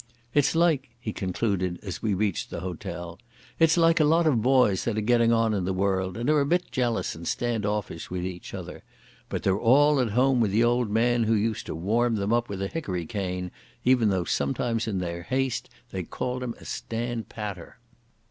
"It's like," he concluded as we reached the hotel, "it's like a lot of boys that are getting on in the world and are a bit jealous and stand offish with each other. But they're all at home with the old man who used to warm them up with a hickory cane, even though sometimes in their haste they call him a stand patter."